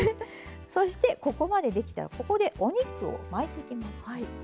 そしてここまでできたらここでお肉を巻いていきます。